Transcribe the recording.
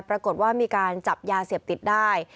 ปรากฏว่ามีการจับยาเสพติดได้